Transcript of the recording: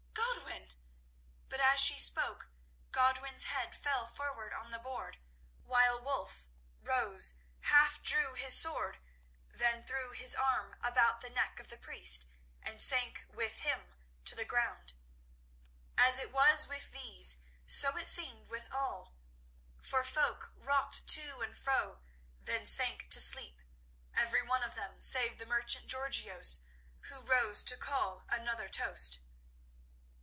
Godwin—" But as she spoke Godwin's head fell forward on the board, while Wulf rose, half drew his sword, then threw his arm about the neck of the priest, and sank with him to the ground. As it was with these, so it seemed with all, for folk rocked to and fro, then sank to sleep, everyone of them, save the merchant Georgios, who rose to call another toast.